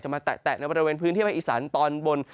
มาแตะในบริเวณพื้นที่ภาคอีสานตอนบน